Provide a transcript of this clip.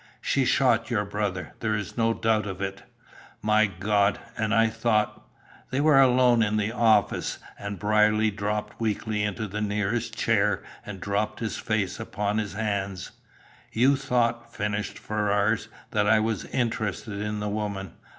"She shot your brother; there is not a doubt of it." "My God! And I thought " They were alone in the office, and Brierly dropped weakly into the nearest chair and dropped his face upon his hands. "You thought," finished Ferrars, "that I was interested in the woman.